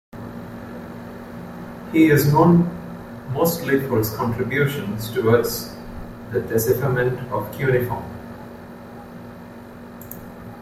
He is known mostly for his contributions toward the decipherment of cuneiform.